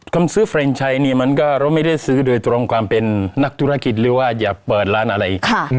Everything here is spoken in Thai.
คำซื้อเฟรนชัยเนี่ยมันก็เราไม่ได้ซื้อโดยตรงความเป็นนักธุรกิจหรือว่าอย่าเปิดร้านอะไร